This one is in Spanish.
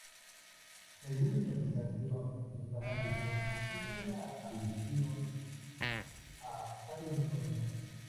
Según interpretación de fanáticos, es una alusión a Sailor Cosmos.